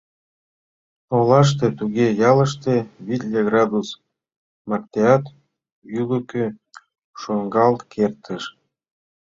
Олаште туге, ялыште витле градус мартеат ӱлыкӧ шуҥгалт кертеш.